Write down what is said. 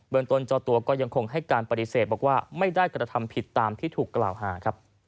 ต้นเจ้าตัวก็ยังคงให้การปฏิเสธบอกว่าไม่ได้กระทำผิดตามที่ถูกกล่าวหาครับ